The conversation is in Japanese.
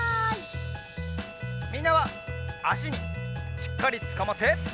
みんなはあしにしっかりつかまって！